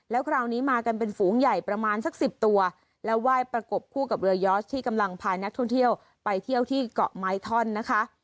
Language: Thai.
แล้วคราวนี้มากันเป็นฝูงใหญ่ประมาณสัก๑๐ตัวแล้วไหว้ประกบคู่กับเรือยอสที่กำลังพานักท่องเที่ยวไปเที่ยวที่เกาะไม้ท่อนนะคะ